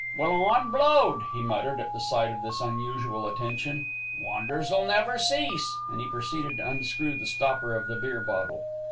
"Well, I'm blowed!" he muttered, at the sight of this unusual attention. "Wonders'll never cease," and he proceeded to unscrew the stopper of the beer bottle.